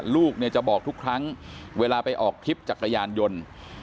ลูกเนี่ยจะบอกทุกครั้งเวลาไปออกทริปจักรยานยนต์